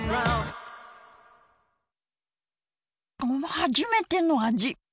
初めての味！